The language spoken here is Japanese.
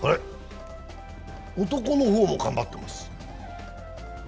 男の方も頑張ってます。